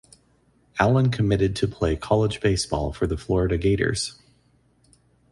Allen committed to play college baseball for the Florida Gators.